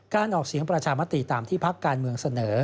ออกเสียงประชามติตามที่พักการเมืองเสนอ